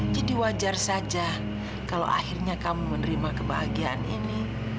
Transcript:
jadi wajar saja kalau akhirnya kamu menerima kebahagiaan ini